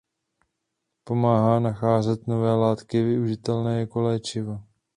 Pomáhá nacházet nové látky využitelné jako léčiva.